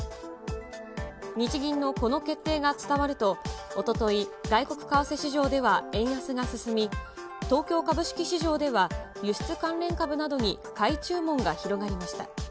日銀のこの決定が伝わると、おととい、外国為替市場では円安が進み、東京株式市場では輸出関連株などに買い注文が広がりました。